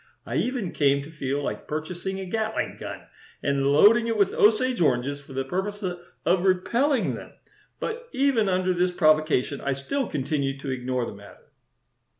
I even came to feel like purchasing a gatling gun and loading it with Osage oranges for the purpose of repelling them, but even under this provocation I still continued to ignore the matter."